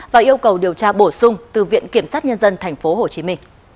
và yêu cầu điều tra bổ sung từ viện kiểm sát nhân dân tp hcm